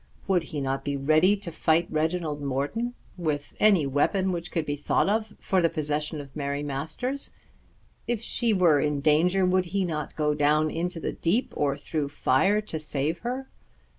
Would he not be ready to fight Reginald Morton with any weapon which could be thought of for the possession of Mary Masters? If she were in danger would he not go down into the deep, or through fire to save her?